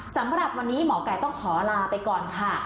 สำหรับวันนี้หมอไก่ต้องขอลาไปก่อนค่ะ